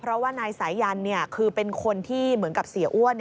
เพราะว่านายสายันคือเป็นคนที่เหมือนกับเสียอ้วน